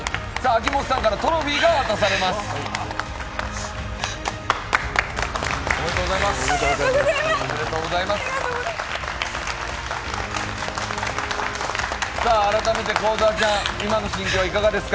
秋元さんからトロフィーが渡されます。